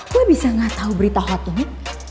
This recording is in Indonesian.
kok gue bisa gak tau berita hot ini